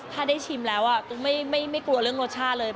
ถ้าได้ชิมแล้วไม่กลัวเรื่องรสชาติเลย